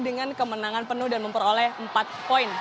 dengan kemenangan penuh dan memperoleh empat poin